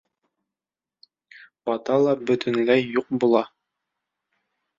Бата ла бөтөнләй юҡ була.